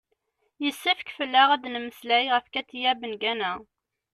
yessefk fell-aɣ ad d-nemmeslay ɣef katia bengana